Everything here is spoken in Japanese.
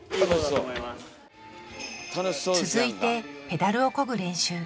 続いてペダルをこぐ練習。